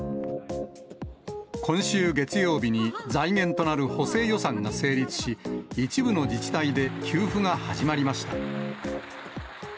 今週月曜日に財源となる補正予算が成立し、一部の自治体で給付が始まりました。